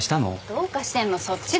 どうかしてんのそっちでしょ。